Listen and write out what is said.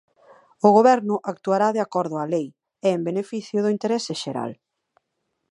O Goberno actuará de acordo á lei e en beneficio do interese xeral.